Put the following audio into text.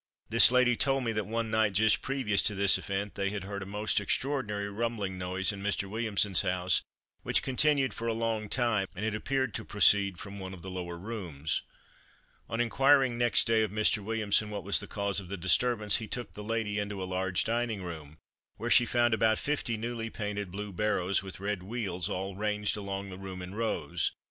This lady told me that one night just previous to this event they had heard a most extraordinary rumbling noise in Mr. Williamson's house which continued for a long time and it appeared to proceed from one of the lower rooms. On inquiring next day of Mr. Williamson what was the cause of the disturbance he took the lady into a large dining room, where she found about fifty newly painted blue barrows with red wheels all ranged along the room in rows.